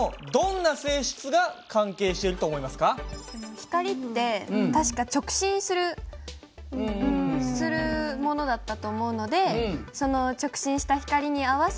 光って確か直進するものだったと思うのでその直進した光に合わせて何か水が反射？